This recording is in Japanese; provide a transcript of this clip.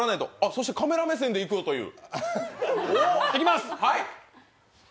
そしてカメラ目線でいくという。